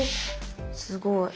すごい。